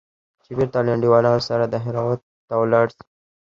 چې بېرته له انډيوالانو سره دهراوت ته ولاړ سم.